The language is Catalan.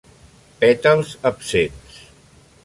Pètals absents.